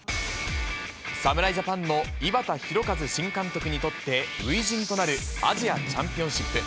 侍ジャパンの井端弘和新監督にとって初陣となるアジアチャンピオンシップ。